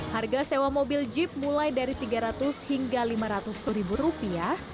harga sewa mobil jeep mulai dari tiga ratus hingga lima ratus ribu rupiah